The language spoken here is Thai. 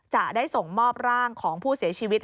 จะได้ส่งมอบร่างของผู้เสียชีวิต